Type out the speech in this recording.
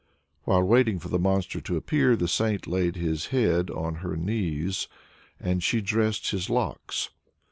While waiting for the monster to appear, the saint laid his head on her knees, and she dressed his locks.